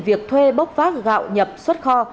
việc thuê bốc vác gạo nhập xuất kho